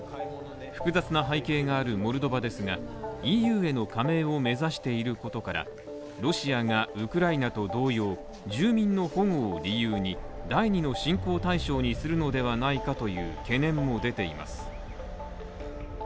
複雑な背景があるモルドバですがＥＵへの加盟を目指していることからロシアがウクライナと同様、住民の保護を理由に第２の侵攻対象にするのではないかという懸念も出ています。